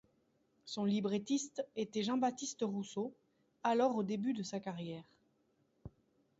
Son librettiste était Jean-Baptiste Rousseau, alors au début de sa carrière.